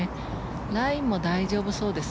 ラインも大丈夫そうです。